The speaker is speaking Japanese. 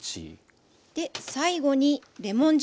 最後にレモン汁。